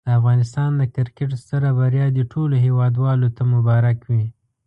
د افغانستان د کرکټ ستره بریا دي ټولو هېوادوالو ته مبارک وي.